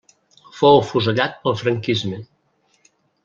Fou afusellat pel franquisme.